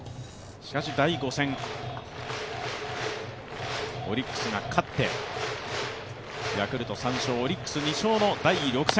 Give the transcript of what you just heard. しかし第５戦、オリックスが勝ってヤクルト３勝、オリックス２勝の第６戦。